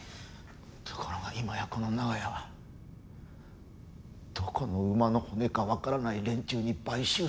ところが今やこの長屋はどこの馬の骨かわからない連中に買収されようとしてる。